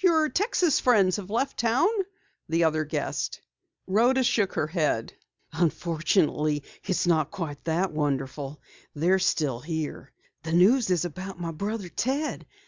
"Your Texas friends have left town?" the other guessed. Rhoda shook her head. "Unfortunately, it's not quite that wonderful. They're still here. This news is about my brother, Ted.